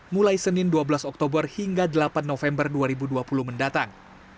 mulai senin dua belas oktober hingga delapan november dua ribu dua puluh mendatang